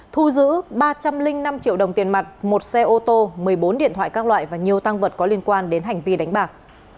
thu giữ ba trăm linh năm triệu đồng tiền mặt một xe ô tô một mươi bốn điện thoại các loại và nhiều tăng vật có liên quan đến hành vi đánh bạc